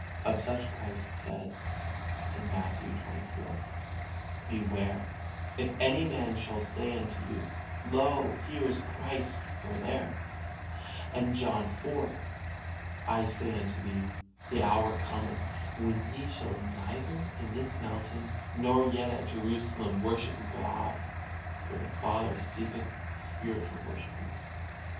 Of such Christ says, Matthew xxiv: "Beware, if any man shall say unto you, Lo, here is Christ, or there"; and John iv: "I say unto thee, the hour cometh, when ye shall neither in this mountain nor yet at Jerusalem worship God, for the Father seeketh spiritual worshipers."